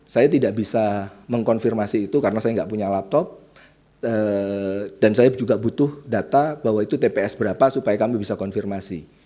saya tidak bisa mengkonfirmasi itu karena saya nggak punya laptop dan saya juga butuh data bahwa itu tps berapa supaya kami bisa konfirmasi